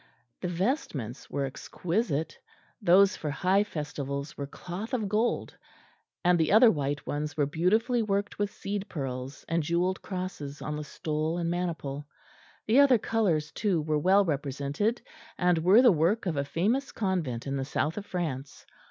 The vestments were exquisite; those for high festivals were cloth of gold; and the other white ones were beautifully worked with seed pearls, and jewelled crosses on the stole and maniple. The other colours, too, were well represented, and were the work of a famous convent in the south of France.